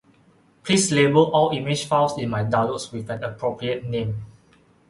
Please label all image files in my downloads with an appropriate name